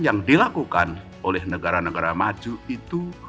yang dilakukan oleh negara negara maju itu